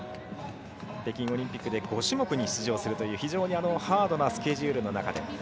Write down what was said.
北京オリンピックで５種目に出場するという非常にハードなスケジュールの中で。